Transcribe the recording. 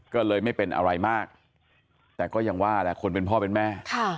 ก็เลยไม่เป็นอะไรมากแต่ก็ยังว่าแหละคนเป็นพ่อเป็นแม่